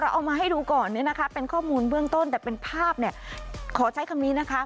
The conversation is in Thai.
เอามาให้ดูก่อนเป็นข้อมูลเบื้องต้นแต่เป็นภาพขอใช้คำนี้นะคะ